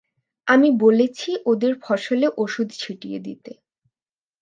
আমি বলেছি ওদের ফসলে ওষুধ ছিটিয়ে দিতে।